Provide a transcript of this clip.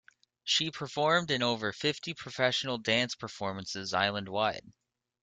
She performed in over fifty professional dance performances island wide.